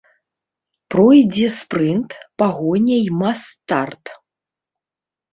Пройдзе спрынт, пагоня і мас-старт.